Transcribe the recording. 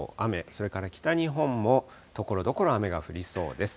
それから北日本もところどころ雨が降りそうです。